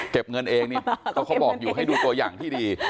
เก็บเงินเองนี่เขาบอกอยู่ให้ดูตัวอย่างที่ดี